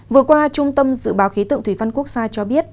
vừa qua trung tâm dự báo khí tượng thủy văn quốc gia cho biết